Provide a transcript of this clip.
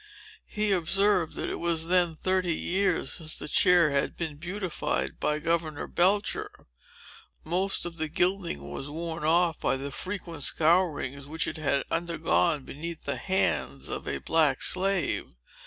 He observed, that it was then thirty years since the chair had been beautified by Governor Belcher. Most of the gilding was worn off by the frequent scourings which it had undergone, beneath the hands of a black slave.